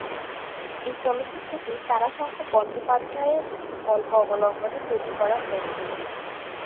এই চলচ্চিত্রটি তারাশঙ্কর বন্দ্যোপাধ্যায় এর গল্প অবলম্বনে তৈরি করা হয়েছিল।